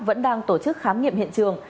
vẫn đang tổ chức khám nghiệm hiện trường